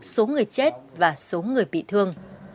số người chết và số người bị thương